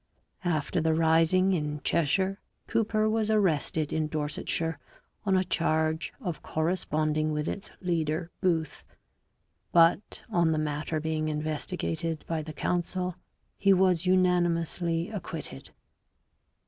After the rising in Cheshire Cooper was arrested in Dorsetshire on a charge of corresponding with its leader Booth, but on the matter being investigated by the council he was unanimously acquitted.